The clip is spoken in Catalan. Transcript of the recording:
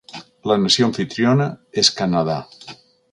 La nació amfitriona és Canadà.